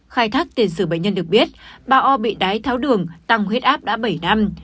khai thác tiền sử bệnh nhân được biết bà o bị đái tháo đường tăng huyết áp đã bảy năm